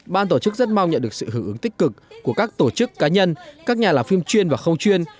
ban tổ chức rất mong nhận được sự hưởng ứng tích cực của các tổ chức cá nhân các nhà làm phim chuyên và khâu chuyên